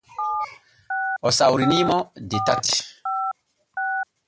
O sawrini mo de tati.